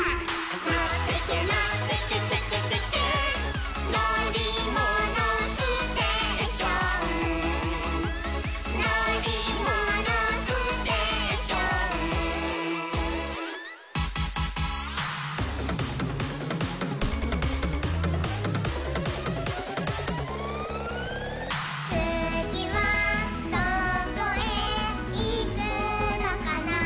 「のってけのってけテケテケ」「のりものステーション」「のりものステーション」「つぎはどこへいくのかな」